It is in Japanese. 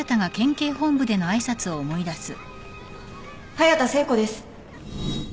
隼田聖子です